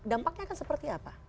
dampaknya akan seperti apa